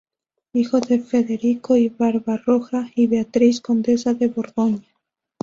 Hijo de Federico I Barbarroja y Beatriz, Condesa de Borgoña.